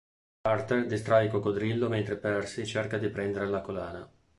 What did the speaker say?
Carter distrae il coccodrillo mentre Percy cerca di prendere la collana.